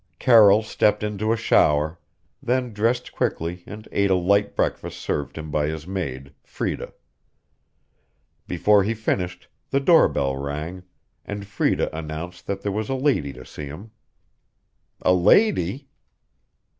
Carroll stepped into a shower, then dressed quickly and ate a light breakfast served him by his maid, Freda. Before he finished, the doorbell rang, and Freda announced that there was a lady to see him. "A lady?"